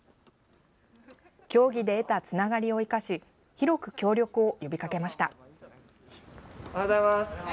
競技で得たつながりを生かし広く協力を呼びかけました。